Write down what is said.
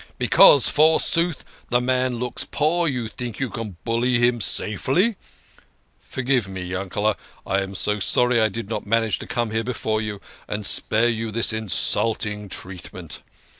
Because, forsooth, the man looks poor, you think you can bully him safely forgive me, Yankele, I am so sorry I did not manage to come here before you, and spare you this insulting treatment